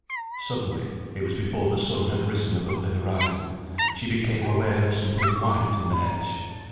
Suddenly (it was before the sun had risen above the horizon) she became aware of something white in the hedge.